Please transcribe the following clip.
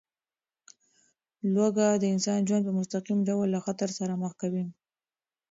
لوږه د انسان ژوند په مستقیم ډول له خطر سره مخ کوي.